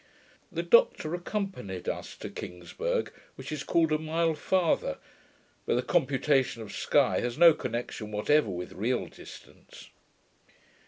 The doctor accompanied us to Kingsburgh, which is called a mile farther; but the computation of Sky has no connection whatever with real distance.